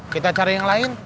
kita cari yang lain